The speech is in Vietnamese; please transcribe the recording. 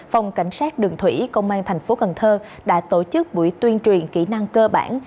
phòng cảnh sát đường thủy công an thành phố cần thơ đã tổ chức buổi tuyên truyền kỹ năng cơ bản